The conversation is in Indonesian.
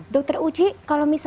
dokter uji kalau misalnya